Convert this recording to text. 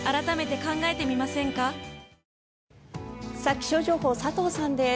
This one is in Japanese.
気象情報佐藤さんです。